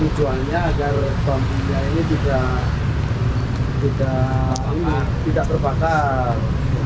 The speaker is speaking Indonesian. tujuannya agar bambunya ini tidak terbakar